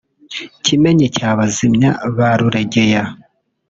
Kimenyi cya Bazimya ba Ruregeya